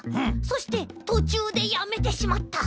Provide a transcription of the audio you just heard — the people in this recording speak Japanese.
そしてとちゅうでやめてしまった！